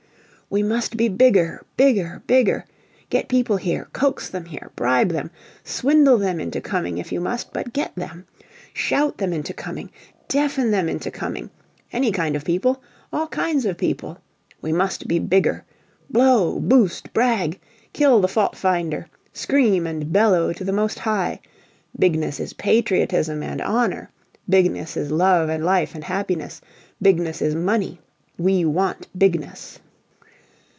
We must be Bigger! Bigger! Bigger! Get people here! Coax them here! Bribe them! Swindle them into coming, if you must, but get them! Shout them into coming! Deafen them into coming! Any kind of people; all kinds of people! We must be Bigger! Blow! Boost! Brag! Kill the fault finder! Scream and bellow to the Most High: Bigness is patriotism and honor! Bigness is love and life and happiness! Bigness is Money! We want Bigness!